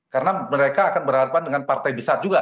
karena mereka akan berhadapan dengan partai besar juga